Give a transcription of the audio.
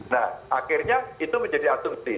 nah akhirnya itu menjadi asumsi